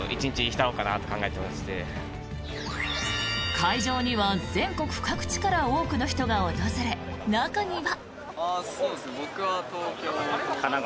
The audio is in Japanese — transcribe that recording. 会場には全国各地から多くの人が訪れ、中には。